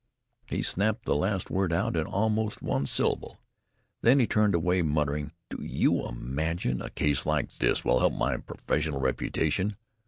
He snapped the last word out in almost one syllable, then he turned away muttering: "Do you imagine a case like this will help my professional reputation?